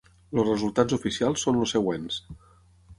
Els resultats oficials són els següents.